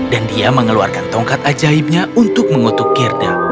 dan dia mengeluarkan tongkat ajaibnya untuk mengutuk gerda